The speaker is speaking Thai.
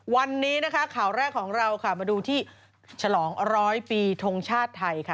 วันนี้ข่าวแรกของเรามาดูที่ฉลองร้อยปีทรงชาติไทย